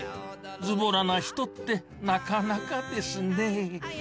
ズボラな人ってなかなかですねえ